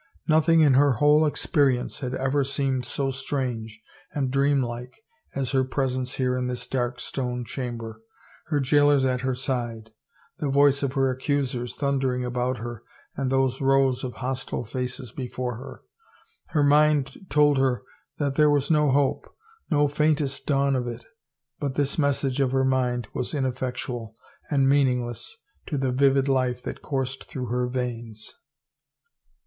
Nothing in her whole experience had ever seemed so strange and dream like as her presence here in this dark stone chamber, her jailers at her side, the voice of her accusers thundering about her and those rows of hostile faces before her. Her mind told her that there was no hope, no faintest dawn of it, but this message of her mind was ineffectual and meaningless to the vivid life that coursed through her veins.